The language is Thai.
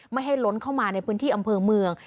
ไม่ให้ล้นเข้ามาในพื้นที่อำเภอเมือง